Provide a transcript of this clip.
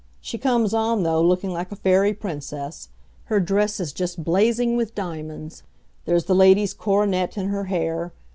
She comes on, though, looking like a fairy princess. Her dress is just blazing with diamonds. There's the Lady's coronet in her hair.